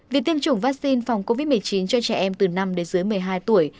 việc tiêm chủng vaccine phòng covid một mươi chín cho trẻ em từ năm đến dưới một mươi hai tuổi